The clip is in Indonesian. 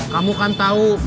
kamu kan tahu